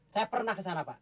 saya pernah ke sana pak